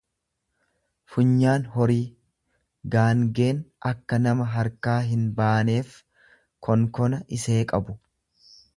funyaan horii; Gaangeen akka nama harkaa hinbaaneef konkona isee qabu.